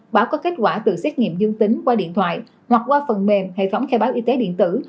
báo có kết quả từ xét nghiệm dương tính qua điện thoại hoặc qua phần mềm hệ thống khai báo y tế điện tử